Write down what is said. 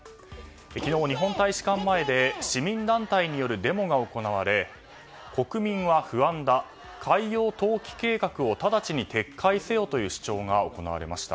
昨日、日本大使館前で市民団体によるデモが行われ国民は不安だ、海洋投棄計画を直ちに撤回せよという主張が行われました。